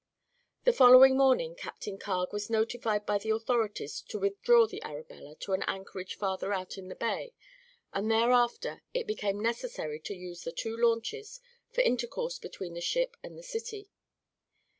The following morning Captain Carg was notified by the authorities to withdraw the Arabella to an anchorage farther out in the bay, and thereafter it became necessary to use the two launches for intercourse between the ship and the city.